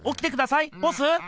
ボス！